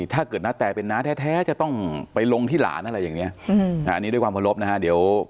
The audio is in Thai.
ถ้าเกิดนัทแตรเป็นน้าแท้แท้จะต้องไปลงที่หลานอะไรอย่างเงี้ยอืมอันนี้ด้วยความพลบนะฮะเดี๋ยว